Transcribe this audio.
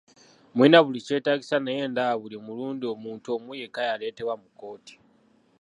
Mulina buli kyetaagisa naye ndaba buli mulundi omuntu omu yekka y'aleetebwa mu kkooti!